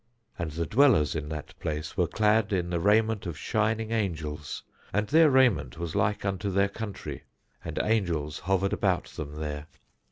And the dwellers in that place were clad in the raiment of shining angels and their raiment was like unto their country; and angels hovered about them there.